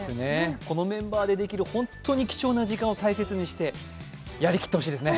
このメンバーでできる本当に貴重な時間を大切にしてやりきってほしいですね。